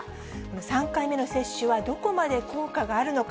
３回目の接種はどこまで効果があるのか。